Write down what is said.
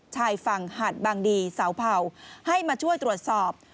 ชายฝั่งหาดบางดีเสาเผ่าให้มาช่วยตรวจสอบ